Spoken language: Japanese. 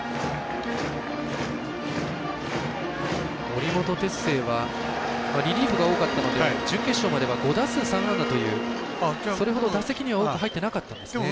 森本哲星はリリーフが多かったので準決勝までは５打数３安打というそれほど打席には多く入ってなかったんですね。